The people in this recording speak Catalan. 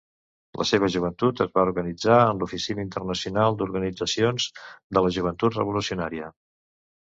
La seva joventut es va organitzar en l'Oficina Internacional d’Organitzacions de la Joventut Revolucionària.